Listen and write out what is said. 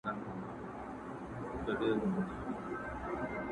یو مرغه وو په ځنګله کي اوسېدلی,